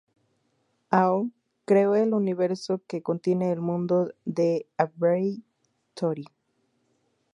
Ao creó el universo que contiene el mundo de Abeir-Toril.